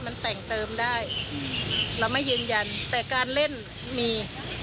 มันแต่งเติมได้เราไม่ยืนยันแต่การเล่นมี